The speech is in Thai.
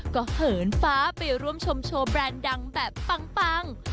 ก็เหินฟ้าไปร่วมชมโชว์แบรนด์ดังแบบปัง